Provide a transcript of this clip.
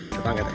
tepang gak teh